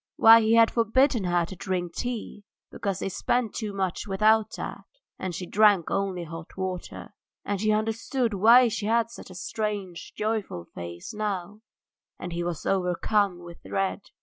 Why, he had forbidden her to drink tea because they spent too much without that, and she drank only hot water. And he understood why she had such a strange, joyful face now, and he was overcome with dread.